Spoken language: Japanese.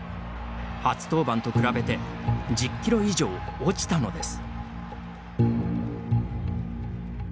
初登板と比べて１０キロ以上、落ちたのです。